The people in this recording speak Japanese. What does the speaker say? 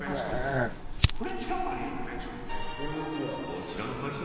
こちらの会社